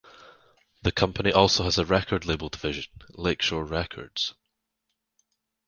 The company also has a record label division, Lakeshore Records.